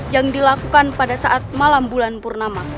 yang dilakukan pada saat malam bulan purnama